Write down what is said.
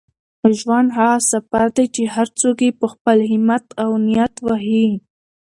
ژوند هغه سفر دی چي هر څوک یې په خپل همت او نیت وهي.